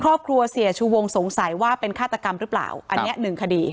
ครอบครัวเสียชูวงสงสัยว่าเป็นฆาตกรรมหรือเปล่าอันนี้หนึ่งคดี